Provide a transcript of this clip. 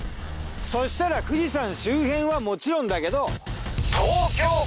そしたら富士山周辺はもちろんだけど。